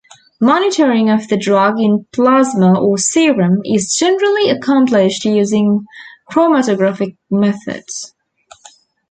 Monitoring of the drug in plasma or serum is generally accomplished using chromatographic methods.